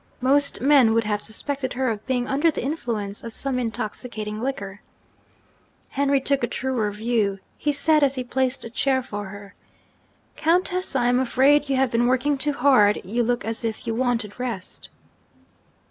Most men would have suspected her of being under the influence of some intoxicating liquor. Henry took a truer view he said, as he placed a chair for her, 'Countess, I am afraid you have been working too hard: you look as if you wanted rest.'